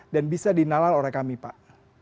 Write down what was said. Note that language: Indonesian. dan bisa dinalal oleh kami pak